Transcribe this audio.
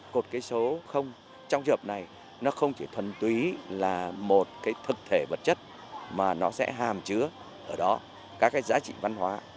cột km số trong dập này nó không chỉ thuần túy là một thực thể vật chất mà nó sẽ hàm chứa ở đó các giá trị văn hóa